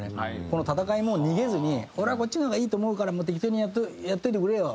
この戦いも逃げずに「俺はこっちの方がいいと思うから適当にやっといてくれよ。